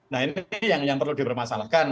nah ini yang perlu dipermasalahkan